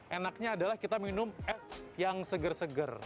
enaknya adalah kita minum es yang seger seger